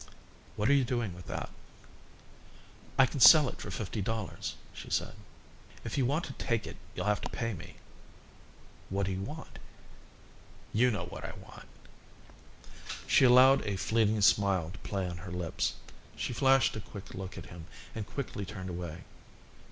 "What are you doing with that?" "I can sell it for fifty dollars," she said. "If you want to take it you'll have to pay me." "What d'you want?" "You know what I want." She allowed a fleeting smile to play on her lips. She flashed a quick look at him and quickly turned away.